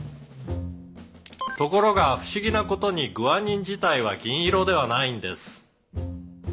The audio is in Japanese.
「ところが不思議な事にグアニン自体は銀色ではないんです」